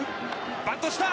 バントした！